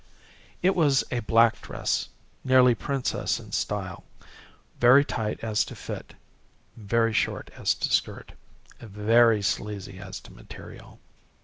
It was a black dress, near princess in style, very tight as to fit, very short as to skirt, very sleazy as to material.